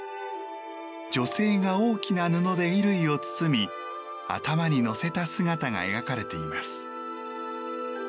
女性が大きな布で衣類を包み頭に乗せた姿が描かれています。